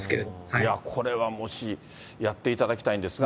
いや、これはもし、やっていただきたいんですが。